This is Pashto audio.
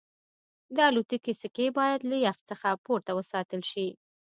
د الوتکې سکي باید له یخ څخه پورته وساتل شي